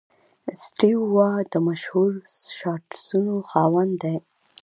سټیو وا د مشهور شاټسونو خاوند دئ.